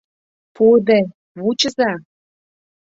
— Пуыде, вучыза!..